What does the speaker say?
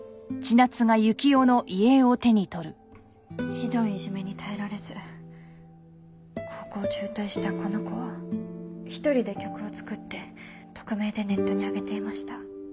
ひどいイジメに耐えられず高校を中退したこの子は一人で曲を作って匿名でネットに上げていました。